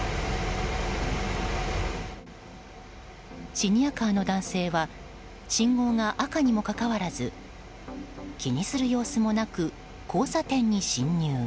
シニアカーの男性は信号が赤にもかかわらず気にする様子もなく交差点に進入。